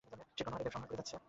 সে গণহারে দেবসংহার করে যাচ্ছে।